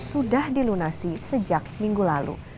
sudah dilunasi sejak minggu lalu